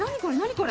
これ。